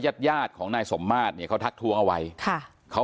ญาติญาติของนายสมมาตรเนี่ยเขาทักทวงเอาไว้ค่ะเขา